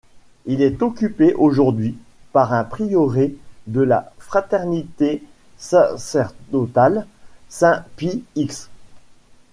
Il est occupé aujourd'hui par un prieuré de la Fraternité sacerdotale Saint-Pie-X.